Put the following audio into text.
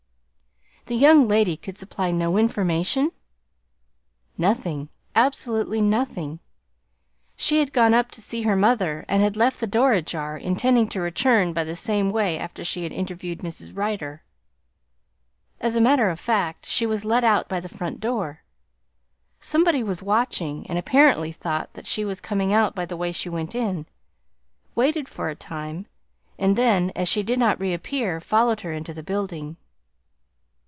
"The young lady could supply no information?" "Nothing, absolutely nothing. She had gone up to see her mother and had left the door ajar, intending to return by the same way after she had interviewed Mrs. Rider. As a matter of fact, she was let out by the front door. Somebody was watching and apparently thought that she was coming out by the way she went in, waited for a time, and then as she did not reappear, followed her into the building."